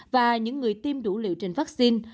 và những người tiêm đủ liệu trên vắc xin